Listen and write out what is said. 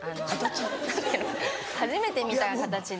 初めて見た形で。